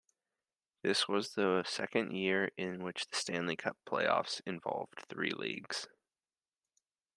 This was the second year in which the Stanley Cup playoffs involved three leagues.